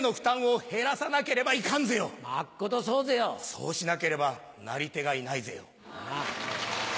そうしなければなり手がいないぜよ。